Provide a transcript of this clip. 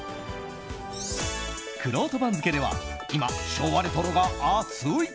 くろうと番付では今、昭和レトロが熱い。